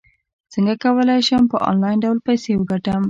څنګه کولی شم په انلاین ډول پیسې وګټم